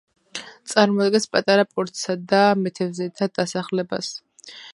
წარმოადგენს პატარა პორტსა და მეთევზეთა დასახლებას.